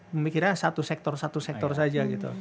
memikirnya satu sektor satu sektor saja gitu